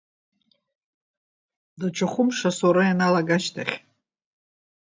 Даҽа хәымш, асоура ианалага ашьҭахь.